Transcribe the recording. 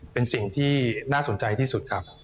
เป็นสิ่งที่น่าสนใจที่สุดครับ